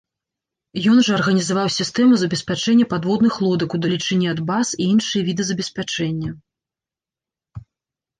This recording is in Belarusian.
Ён жа арганізаваў сістэму забеспячэння падводных лодак удалечыні ад баз, і іншыя віды забеспячэння.